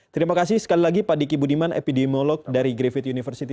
terima kasih sekali lagi pak diki budiman epidemiolog dari griffith university